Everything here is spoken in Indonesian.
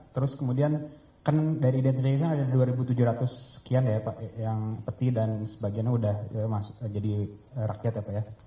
terus kemudian kan dari identitasnya ada dua tujuh ratus sekian ya pak yang peti dan sebagiannya udah jadi rakyat ya pak ya